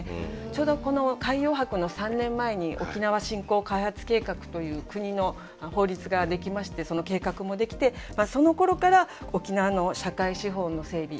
ちょうどこの海洋博の３年前に沖縄振興開発計画という国の法律ができましてその計画もできてそのころから沖縄の社会資本の整備